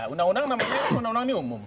undang undang namanya undang undang ini umum